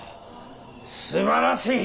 素晴らしい！